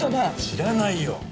知らないよ！